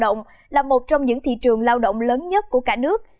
hồ chí minh là một trong những thị trường lao động lớn nhất của cả nước